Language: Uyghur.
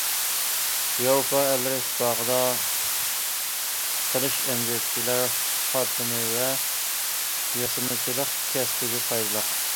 ياۋروپا ئەللىرى ئىتتىپاقىدا قېلىش ئەمگەكچىلەر قاتلىمى ۋە ياسىمىچىلىق كەسپىگە پايدىلىق.